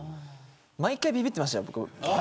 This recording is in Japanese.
毎回びびってましたよ、僕。